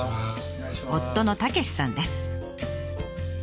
夫の武さんです。